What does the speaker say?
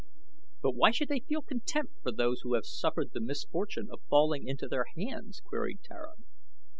"But why should they feel contempt for those who have suffered the misfortune of falling into their hands?" queried Tara.